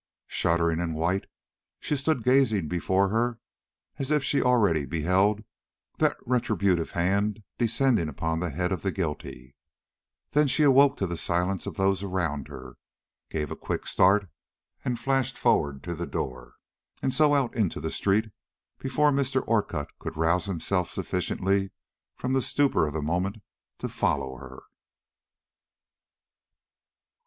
Shuddering and white, she stood gazing before her as if she already beheld that retributive hand descending upon the head of the guilty; then, as she awoke to the silence of those around her, gave a quick start and flashed forward to the door and so out into the street before Mr. Orcutt could rouse himself sufficiently from the stupor of the moment to follow her.